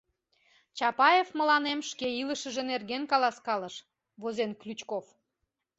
...Чапаев мыланем шке илышыже нерген каласкалыш, – возен Ключков.